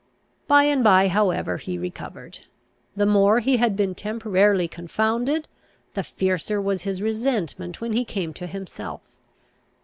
By and by, however, he recovered. The more he had been temporarily confounded, the fiercer was his resentment when he came to himself.